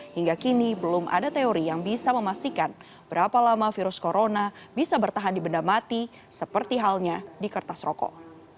hingga kini belum ada teori yang bisa memastikan berapa lama virus corona bisa bertahan di benda mati seperti halnya di kertas rokok